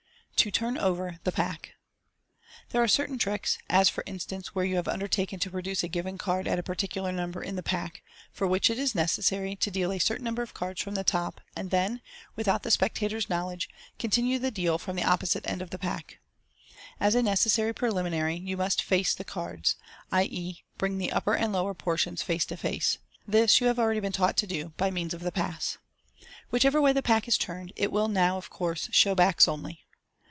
To "Turn Over" the Pack. — There are certain tricks (as, for instance, where you have undertaken to produce a given card at a particular number in the pack) for which it is necessary to deal a certain number of cards from the top, and then (without the spectator's f^ knowledge) to continue the deal from the opposite end of the pack. &.S a necessary preliminary, ycu must " face " the cards — i.e., bring the upper and lower portions face to face. This you have already been taught to do by means of the pass. Whichever way the pack is turned, it will now, of course, show backs only.